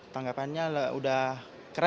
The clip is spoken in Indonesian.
tanggapannya udah keren ya